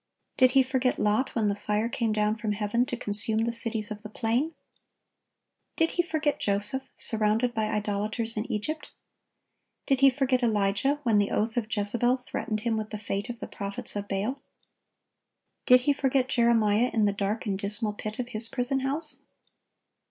Did He forget Lot when the fire came down from heaven to consume the cities of the plain? Did He forget Joseph surrounded by idolaters in Egypt? Did He forget Elijah when the oath of Jezebel threatened him with the fate of the prophets of Baal? Did He forget Jeremiah in the dark and dismal pit of his prison house?